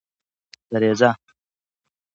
سریزه